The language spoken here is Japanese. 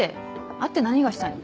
会って何がしたいの？